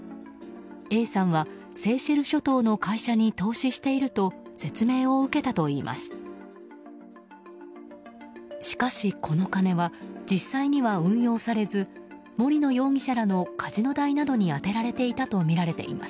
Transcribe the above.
Ａさんはセーシェル諸島の会社に投資していると説明を受けたといいます。